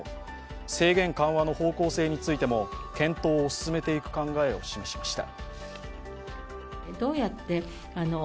制限緩和の方向性についても検討を進めていく考えを示しました。